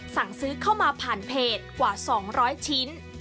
สั่งซื้อเข้ามาผ่านเพจกว่า๒๐๐ชิ้น